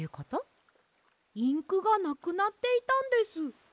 インクがなくなっていたんです。